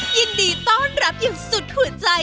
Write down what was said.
ยินดีต้อนรับอย่างสุดหัวใจ